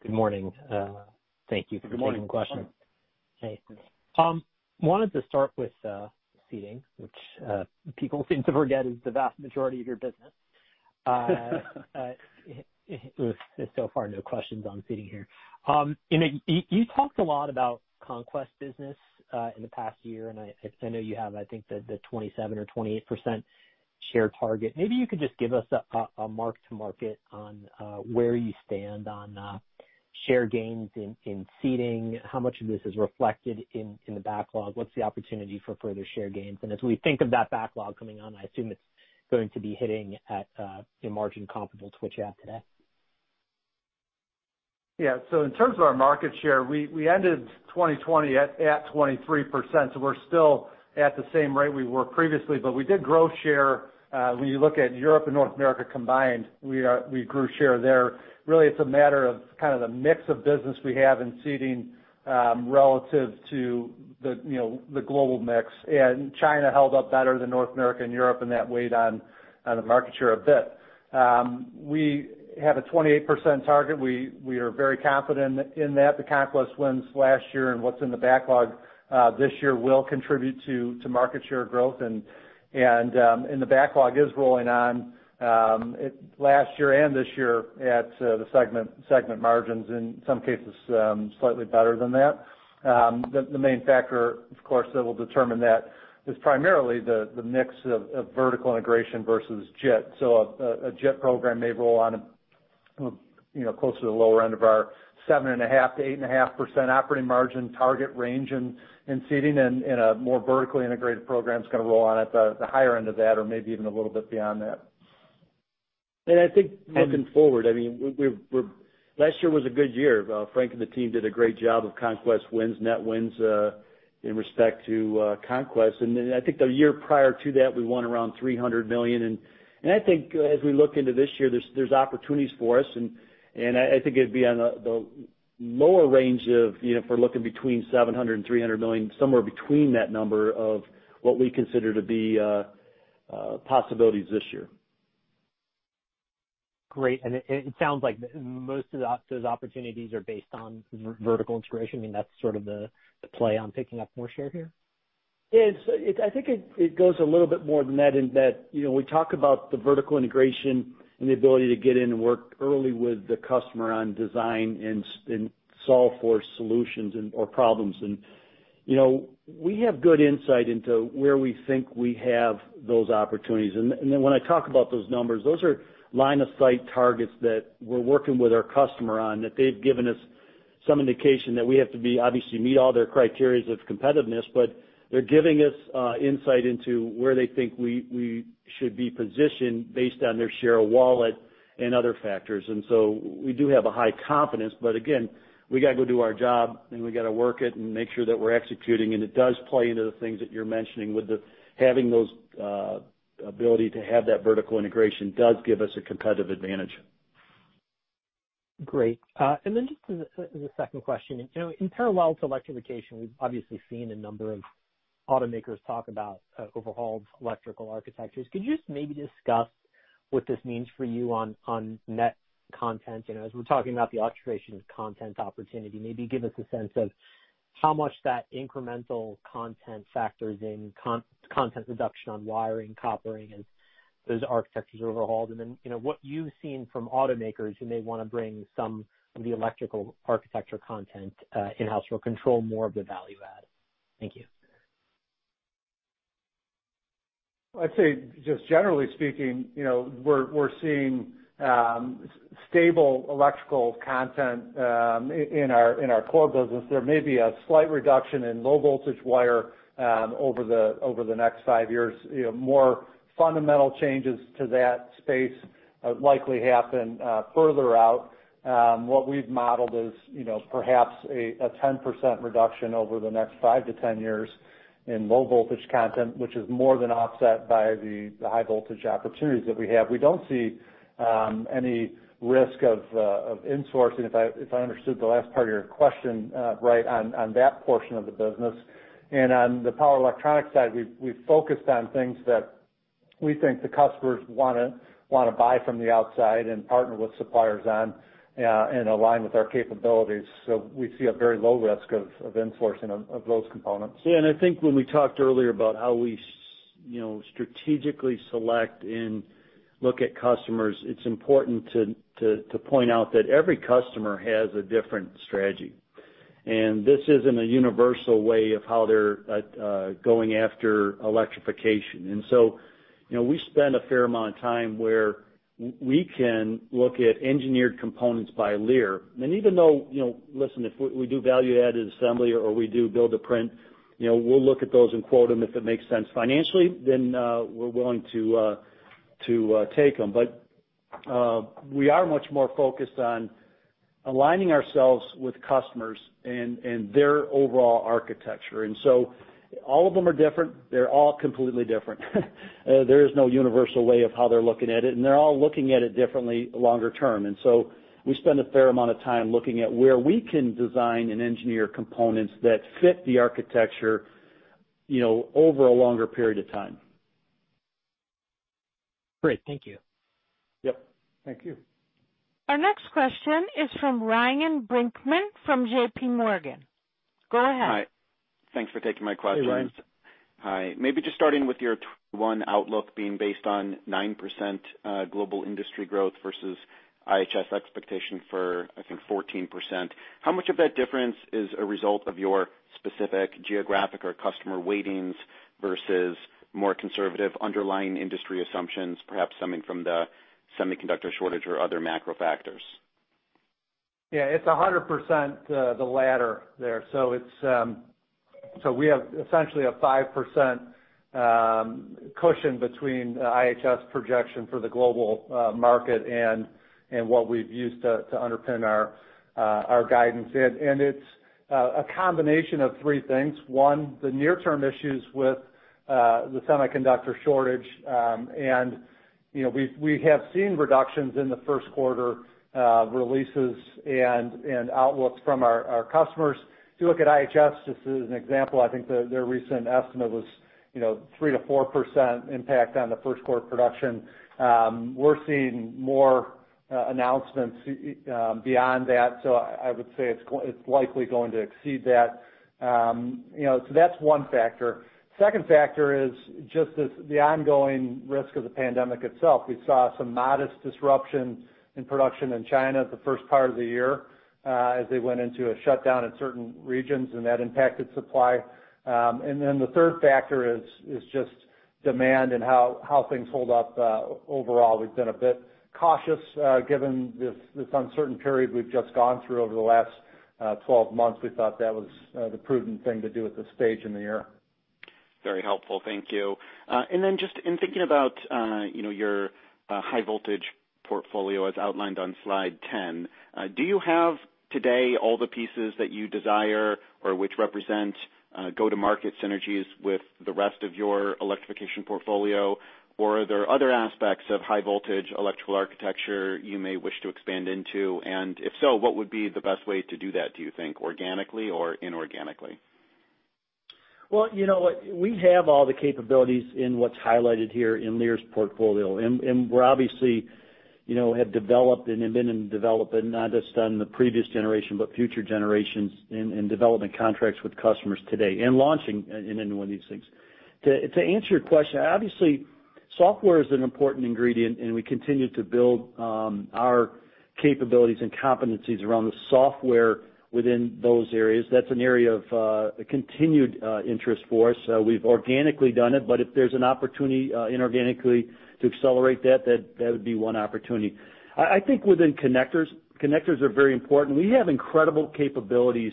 S9: good morning. Thank you for taking the question.
S4: Good morning.
S9: Hey. Wanted to start with Seating, which people seem to forget is the vast majority of your business. There is so far no questions on Seating here. You talked a lot about conquest business in the past year, and I know you have, I think, the 27% or 28% share target. Maybe you could just give us a mark-to-market on where you stand on share gains in Seating. How much of this is reflected in the backlog? What is the opportunity for further share gains? As we think of that backlog coming on, I assume it is going to be hitting at a margin comparable to what you have today.
S4: Yeah. In terms of our market share, we ended 2020 at 23%, so we're still at the same rate we were previously. We did grow share. When you look at Europe and North America combined, we grew share there. Really, it's a matter of kind of the mix of business we have in seating relative to the global mix. China held up better than North America and Europe, and that weighed on the market share a bit. We have a 28% target. We are very confident in that. The conquest wins last year and what's in the backlog this year will contribute to market share growth. The backlog is rolling on last year and this year at the segment margins, in some cases, slightly better than that. The main factor, of course, that will determine that is primarily the mix of vertical integration versus JIT. A JIT program may roll on closer to the lower end of our 7.5%-8.5% operating margin target range in Seating, and a more vertically integrated program's going to roll on at the higher end of that or maybe even a little bit beyond that.
S3: I think looking forward, last year was a good year. Frank and the team did a great job of conquest wins, net wins in respect to conquest. Then I think the year prior to that, we won around $300 million. I think as we look into this year, there's opportunities for us, and I think it'd be on the lower range of if we're looking between $700 million and $300 million, somewhere between that number of what we consider to be possibilities this year.
S9: Great. It sounds like most of those opportunities are based on vertical integration. That's sort of the play on picking up more share here?
S3: Yes. I think it goes a little bit more than that in that we talk about the vertical integration and the ability to get in and work early with the customer on design and solve for solutions or problems. We have good insight into where we think we have those opportunities. When I talk about those numbers, those are line of sight targets that we're working with our customer on, that they've given us some indication that we have to obviously meet all their criteria of competitiveness, but they're giving us insight into where they think we should be positioned based on their share of wallet and other factors. We do have a high confidence, but again, we got to go do our job, and we got to work it and make sure that we're executing. It does play into the things that you're mentioning with having those ability to have that vertical integration does give us a competitive advantage.
S9: Great. Just as a second question. In parallel to electrification, we've obviously seen a number of automakers talk about overhauled electrical architectures. Could you just maybe discuss what this means for you on net content? As we're talking about the alteration of content opportunity, maybe give us a sense of how much that incremental content factors in content reduction on wiring, coppering, and those architectures overhauled. What you've seen from automakers who may want to bring some of the electrical architecture content in-house or control more of the value add. Thank you.
S4: I'd say just generally speaking, we're seeing stable electrical content in our core business. There may be a slight reduction in low voltage wire over the next five years. More fundamental changes to that space likely happen further out. What we've modeled is perhaps a 10% reduction over the next 5-10 years in low voltage content, which is more than offset by the high voltage opportunities that we have. We don't see any risk of insourcing, if I understood the last part of your question right on that portion of the business. On the power electronics side, we've focused on things that we think the customers want to buy from the outside and partner with suppliers on and align with our capabilities. We see a very low risk of insourcing of those components.
S3: Yeah, I think when we talked earlier about how we strategically select and look at customers, it's important to point out that every customer has a different strategy. This isn't a universal way of how they're going after electrification. We spend a fair amount of time where we can look at engineered components by Lear. Even though, listen, if we do value-added assembly or we do build-to-print, we'll look at those and quote them. If it makes sense financially, we're willing to take them. We are much more focused on aligning ourselves with customers and their overall architecture. All of them are different. They're all completely different. There is no universal way of how they're looking at it, and they're all looking at it differently longer term. We spend a fair amount of time looking at where we can design and engineer components that fit the architecture over a longer period of time.
S9: Great. Thank you.
S4: Yep. Thank you.
S1: Our next question is from Ryan Brinkman from JPMorgan. Go ahead.
S10: Hi. Thanks for taking my questions.
S3: Hey, Ryan.
S10: Hi. Just starting with your 2021 outlook being based on 9% global industry growth versus IHS expectation for, I think, 14%. How much of that difference is a result of your specific geographic or customer weightings versus more conservative underlying industry assumptions, perhaps stemming from the semiconductor shortage or other macro factors?
S4: Yeah, it's 100% the latter there. We have essentially a 5% cushion between IHS projection for the global market and what we've used to underpin our guidance. It's a combination of three things. One, the near-term issues with the semiconductor shortage. We have seen reductions in the first quarter releases and outlooks from our customers. If you look at IHS, just as an example, I think their recent estimate was 3%-4% impact on the first quarter production. We're seeing more Announcements beyond that. I would say it's likely going to exceed that. That's one factor. Second factor is just the ongoing risk of the pandemic itself. We saw some modest disruption in production in China the first part of the year as they went into a shutdown in certain regions, and that impacted supply. The third factor is just demand and how things hold up. Overall, we've been a bit cautious, given this uncertain period we've just gone through over the last 12 months. We thought that was the prudent thing to do at this stage in the year.
S10: Very helpful. Thank you. Just in thinking about your high voltage portfolio as outlined on slide 10, do you have today all the pieces that you desire or which represent go-to-market synergies with the rest of your electrification portfolio, or are there other aspects of high voltage electrical architecture you may wish to expand into? If so, what would be the best way to do that, do you think, organically or inorganically?
S3: We have all the capabilities in what's highlighted here in Lear's portfolio. We obviously have developed and have been in development, not just on the previous generation, but future generations and development contracts with customers today and launching into one of these things. To answer your question, obviously, software is an important ingredient, and we continue to build our capabilities and competencies around the software within those areas. That's an area of continued interest for us. We've organically done it, but if there's an opportunity inorganically to accelerate that would be one opportunity. I think within connectors are very important. We have incredible capabilities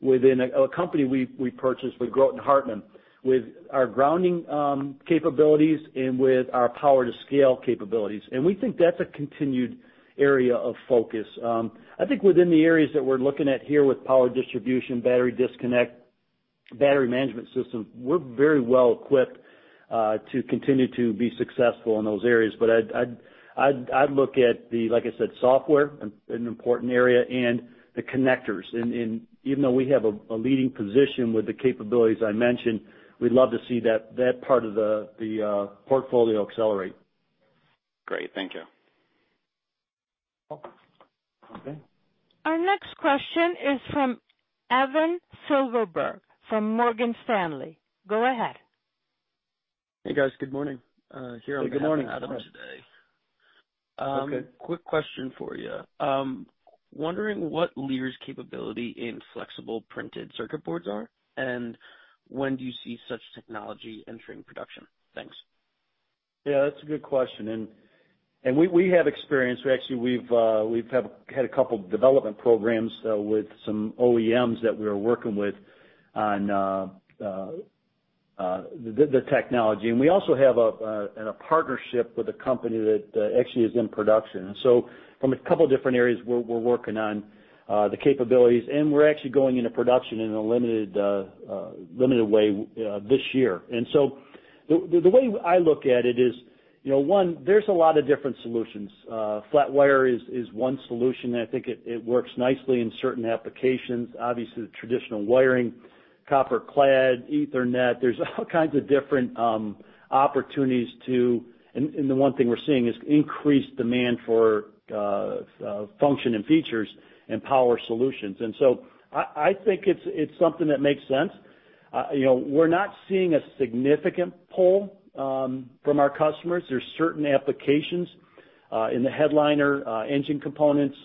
S3: within a company we purchased with Grote & Hartmann, with our grounding capabilities and with our power-to-scale capabilities. We think that's a continued area of focus. I think within the areas that we're looking at here with power distribution, battery disconnect, battery management system, we're very well equipped to continue to be successful in those areas. I'd look at the, like I said, software, an important area, and the connectors. Even though we have a leading position with the capabilities I mentioned, we'd love to see that part of the portfolio accelerate.
S10: Great. Thank you.
S3: Okay.
S1: Our next question is from Evan Silverberg from Morgan Stanley. Go ahead.
S11: Hey, guys. Good morning.
S3: Hey, good morning, Evan.
S11: Here on behalf of Adam today.
S3: Okay.
S11: Quick question for you. Wondering what Lear's capability in flexible printed circuit boards are, and when do you see such technology entering production? Thanks.
S3: Yeah, that's a good question. We have experience. We actually had a couple development programs with some OEMs that we were working with on the technology. We also have a partnership with a company that actually is in production. From a couple different areas, we're working on the capabilities, and we're actually going into production in a limited way this year. The way I look at it is, one, there's a lot of different solutions. Flat wire is one solution, and I think it works nicely in certain applications. Obviously, the traditional wiring, copper clad, Ethernet. There's all kinds of different opportunities. The one thing we're seeing is increased demand for function and features and power solutions. I think it's something that makes sense. We're not seeing a significant pull from our customers. There's certain applications in the headliner engine components,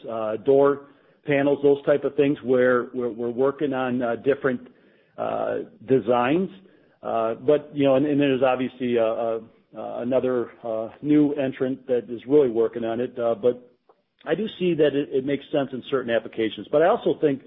S3: door panels, those type of things, where we're working on different designs. There's obviously another new entrant that is really working on it. I do see that it makes sense in certain applications. I also think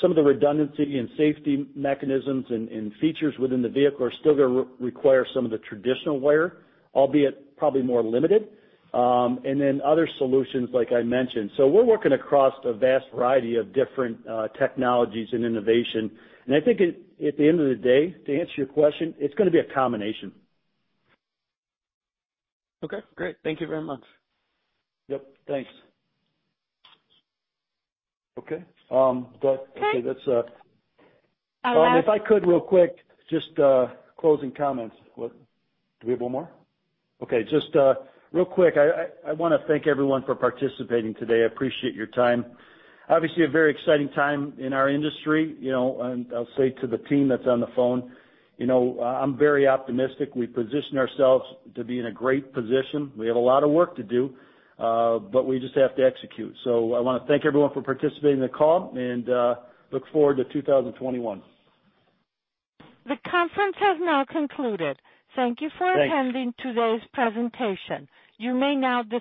S3: some of the redundancy in safety mechanisms and features within the vehicle are still going to require some of the traditional wire, albeit probably more limited. Other solutions, like I mentioned. We're working across a vast variety of different technologies and innovation. I think at the end of the day, to answer your question, it's going to be a combination.
S11: Okay, great. Thank you very much.
S3: Yep, thanks. Okay.
S1: Okay.
S3: If I could real quick, just closing comments. Do we have one more? Okay, just real quick, I want to thank everyone for participating today. I appreciate your time. Obviously a very exciting time in our industry. I'll say to the team that's on the phone, I'm very optimistic. We position ourselves to be in a great position. We have a lot of work to do, but we just have to execute. I want to thank everyone for participating in the call and look forward to 2021.
S1: The conference has now concluded.
S3: Thanks.
S1: Thank you for attending today's presentation. You may now dis-